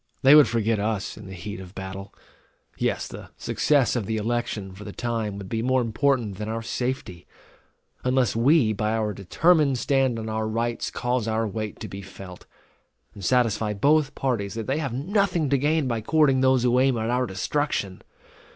They would forget us in the heat of battle; yes, the success of the election, for the time, would be more important than our safety; unless we by our determined stand on our rights cause our weight to be felt, and satisfy both parties that they have nothing to gain by courting those who aim at our destruction.